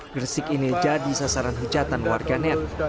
gresik ini jadi sasaran hujatan warganet